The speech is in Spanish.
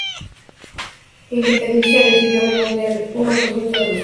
La independencia recibió menos del uno por ciento de los votos.